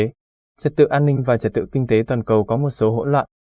trật tự an ninh và trật tự kinh tế toàn cầu có một số hỗn loạn